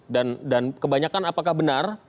dan kebanyakan apakah benar